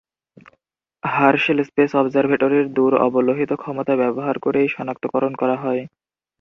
Herschel Space অবজারভেটরির দূর-অবলোহিত ক্ষমতা ব্যবহার করে এই সনাক্তকরণ করা হয়।